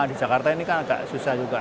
di jakarta ini kan agak susah juga